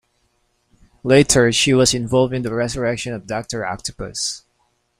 Later, she was involved in the resurrection of Doctor Octopus.